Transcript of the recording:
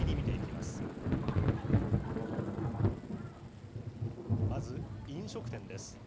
まず飲食店です。